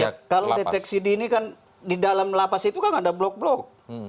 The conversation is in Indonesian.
ya kalau deteksi dini kan di dalam lapas itu kan ada blok blok